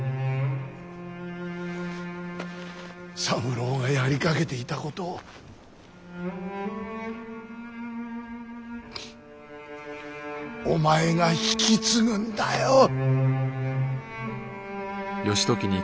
三郎がやりかけていたことをお前が引き継ぐんだよ。